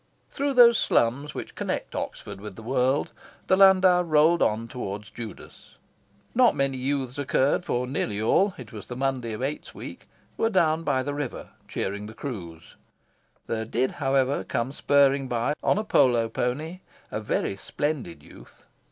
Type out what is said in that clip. Through those slums which connect Oxford with the world, the landau rolled on towards Judas. Not many youths occurred, for nearly all it was the Monday of Eights Week were down by the river, cheering the crews. There did, however, come spurring by, on a polo pony, a very splendid youth.